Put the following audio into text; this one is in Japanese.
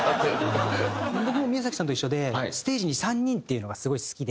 僕も宮崎さんと一緒でステージに３人っていうのがスゴい好きで。